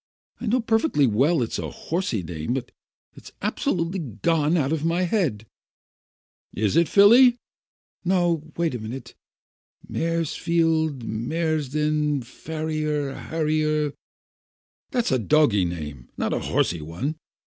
I know perfectly well it's a horsey name, but it has absolutely gone out of my head!" "It isn't Filley?" "No, no — wait a jiffy. Maresfield, Maresden— Farrier — Harrier " "That's a doggy name, not a horsey one.